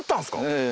ええ。